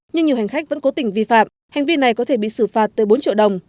nhưng nhiều hành khách vẫn cố tình vi phạm hành vi này có thể bị xử phạt tới bốn triệu đồng